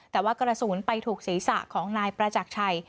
แต่ว่ากระสุนไปถูกศีรษะของนายประจักรชัย